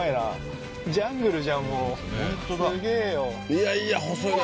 いやいや細いな